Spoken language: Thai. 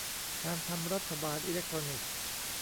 การทำรัฐบาลอิเล็กทรอนิกส์